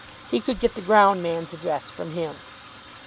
He could get the ground man's address from him.